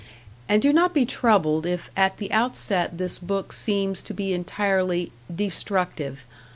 And do not be troubled if at the outset this book seems to be entirely "destructive".